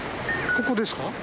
ここですか？